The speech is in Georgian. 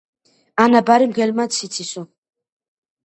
ანაბარი, მგელმაც იცისო.